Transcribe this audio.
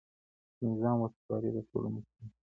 د نظام وفاداري د ټولو مسووليت دی.